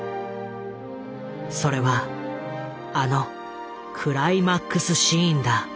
それはあのクライマックスシーンだ。